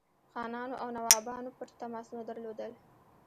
خانانو او نوابانو پټ تماسونه درلودل.